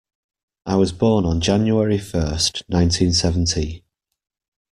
I was born on January first, nineteen seventy.